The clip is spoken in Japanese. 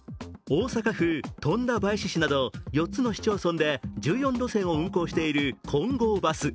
大阪府富田林市など４つの市町村で１４路線を運行している金剛バス。